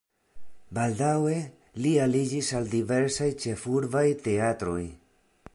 Baldaŭe li aliĝis al diversaj ĉefurbaj teatroj.